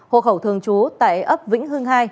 hộ khẩu thường trú tại ấp vĩnh hưng hai